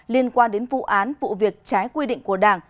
liên quan đến vụ án vụ việc trái quy định của đảng